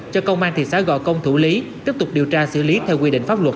cho công an thị xã gò công thủ lý tiếp tục điều tra xử lý theo quy định pháp luật